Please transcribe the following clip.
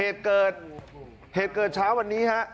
เทตเกิดเช้าวันนี้